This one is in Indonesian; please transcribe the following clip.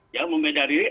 ya pembela diri